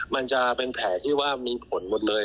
มันจะเป็นแผลที่ว่ามีผลหมดเลย